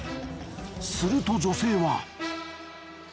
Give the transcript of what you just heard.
すると女性は。